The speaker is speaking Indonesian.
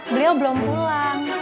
beliau belum pulang